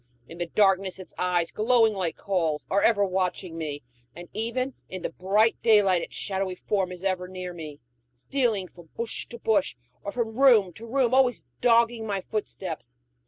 In the darkness its eyes, glowing like coals, are ever watching me, and even in the bright daylight its shadowy form is ever near me, stealing from bush to bush, or from room to room, always dogging my footsteps.